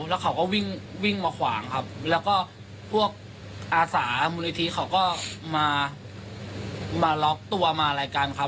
แล้วเขาก็วิ่งวิ่งมาขวางครับแล้วก็พวกอาสามูลนิธิเขาก็มาล็อกตัวมารายการครับ